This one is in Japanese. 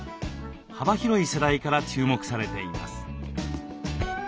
幅広い世代から注目されています。